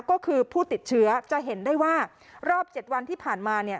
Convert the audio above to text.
ก็คือผู้ติดเชื้อจะเห็นได้ว่ารอบ๗วันที่ผ่านมาเนี่ย